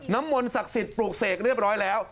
มนต์ศักดิ์สิทธิ์ปลูกเสกเรียบร้อยแล้ว